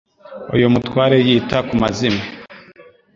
Iyo umutware yita ku mazimwe